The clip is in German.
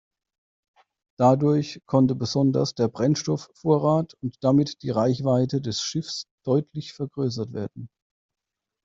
Dadurch konnte besonders der Brennstoffvorrat und damit die Reichweite des Schiffs deutlich vergrößert werden.